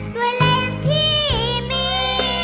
โดยเล็งที่มี